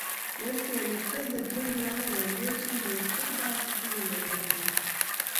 Messi amecheza jumla ya mechi mia saba sitini na nane